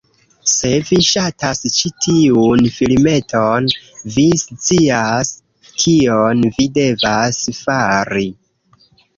Se vi ŝatas ĉi tiun filmeton, vi scias kion vi devas fari: